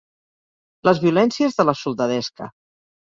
Les violències de la soldadesca.